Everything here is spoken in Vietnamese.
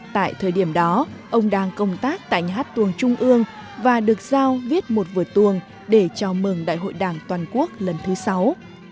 tại thời điểm đó ông đang công tác tại nhà hát tuồng trung ương và được giao viết một vở tuồng để chào mừng đại hội đảng toàn quốc lần thứ sáu